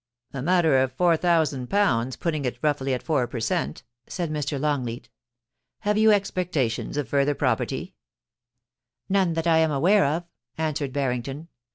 *A matter of ;£'4ooo, putting it roughly at four per cent,' said Mr. Longleat * Have you expectations of further property?' * None that I am aware of,' answered Barrington.